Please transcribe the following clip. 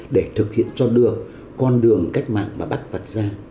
để thực hiện cho đường con đường cách mạng và bắt vạch ra